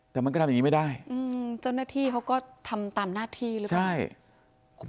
แต่มันก็ทำอย่างนี้ไม่ได้เจ้าหน้าที่เขาก็ทำตามหน้าที่หรือเปล่า